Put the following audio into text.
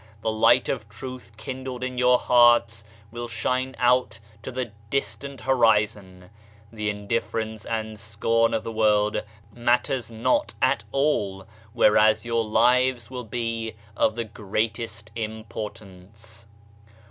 The light of Truth kindled in your hearts will shine out to the distant horizon ! The indifference and scorn of the world matters not at all, whereas your lives will be of the greatest import ance.